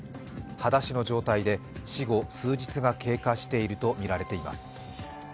はだしの状態で、死後数日が経過しているとみられています。